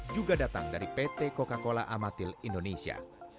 juga datang dari pt coca cola amatil indonesia